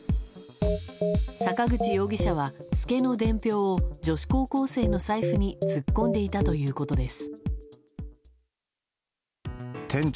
坂口容疑者は、ツケの伝票を女子高校生の財布に突っ込んでいたということです。